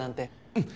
うん。